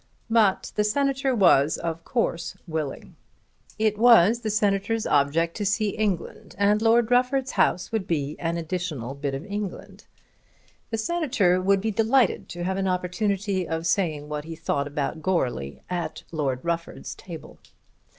But the Senator was of course willing. It was the Senator's object to see England, and Lord Rufford's house would be an additional bit of England. The Senator would be delighted to have an opportunity of saying what he thought about Goarly at Lord Rufford's table.